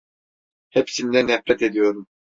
Hepsinden nefret ediyorum.